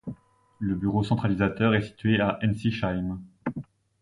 Le bureau centralisateur est situé à Ensisheim.